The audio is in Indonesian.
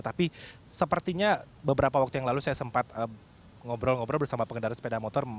tapi sepertinya beberapa waktu yang lalu saya sempat ngobrol ngobrol bersama pengendara sepeda motor